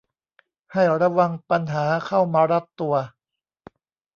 ให้ระวังปัญหาเข้ามารัดตัว